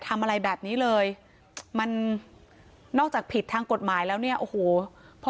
ทำอะไรแบบนี้เลยมันนอกจากผิดทางกฎหมายแล้วเนี่ยโอ้โหพอ